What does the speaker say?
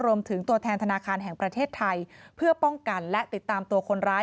รวมถึงตัวแทนธนาคารแห่งประเทศไทยเพื่อป้องกันและติดตามตัวคนร้าย